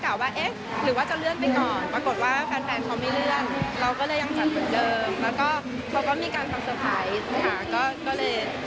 ปรากฏว่าแฟนเขาไม่เลื่อนเราก็เลยยังจัดตัวเดิม